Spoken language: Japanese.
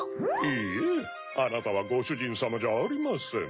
いいえあなたはごしゅじんさまじゃありません。